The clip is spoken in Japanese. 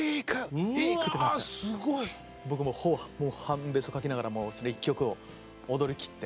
僕もう半ベソかきながらその１曲を踊りきって。